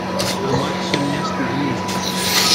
Σταμάτησε μια στιγμή.